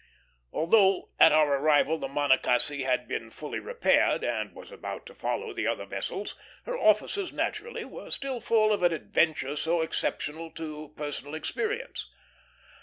Although at our arrival the Monocacy had been fully repaired, and was about to follow the other vessels, her officers naturally were still full of an adventure so exceptional to personal experience.